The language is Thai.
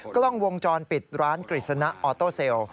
กล้องวงจรปิดร้านกฤษณะออโต้เซลล์